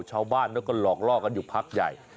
ชาวบ้านเขาก็หลอกล่อกันอยู่พักใหญ่